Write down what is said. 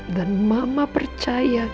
dan mama percaya